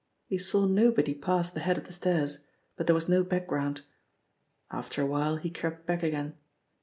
He saw nobody pass the head of the stairs, but there was no background. After a while he crept back again.